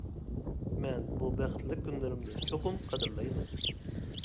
مەن بۇ بەختلىك كۈنلىرىمنى چوقۇم قەدىرلەيمەن.